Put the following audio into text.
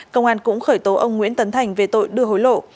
công an cũng khởi tố ông nguyễn tấn thành về tội đưa hối lộ